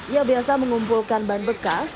ia biasa mengumpulkan ban bekas